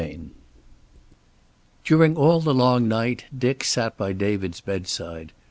XII DURING all the long night Dick sat by David's bedside.